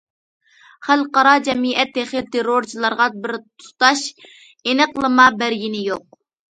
خەلقئارا جەمئىيەت تېخى تېررورچىلارغا بىر تۇتاش ئېنىقلىما بەرگىنى يوق.